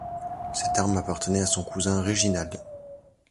Cette arme appartenait à son cousin Reginald.